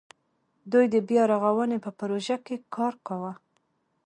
دوی د بیا رغاونې په پروژه کې کار کاوه.